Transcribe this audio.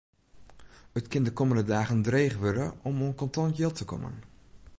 It kin de kommende dagen dreech wurde om oan kontant jild te kommen.